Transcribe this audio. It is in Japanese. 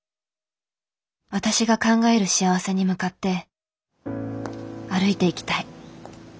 私が考える幸せに向かって歩いていきたい。